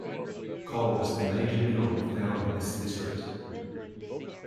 Coal is the major mineral found in this district.